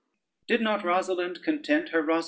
Did not Rosalynde content her Rosader?"